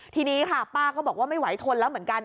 ทีนี้ค่ะป้าก็บอกว่าไม่ไหวทนแล้วเหมือนกัน